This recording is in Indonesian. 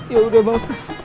ya udah bang ustadz